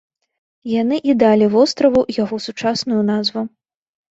Яны і далі востраву яго сучасную назву.